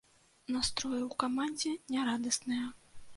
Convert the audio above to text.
Настроі ў камандзе нярадасныя.